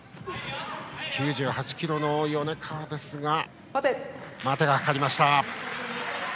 ９８ｋｇの米川ですが待てがかかりました。